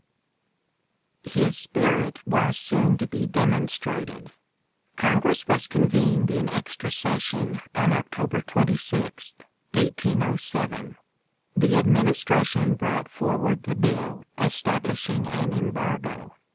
] His spirit was soon to be demonstrated. Congress was convened in extra session on October 26, 1807. The administration brought forward the bill establishing an embargo.